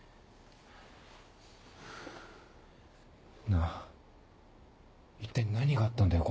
なぁ一体何があったんだよ？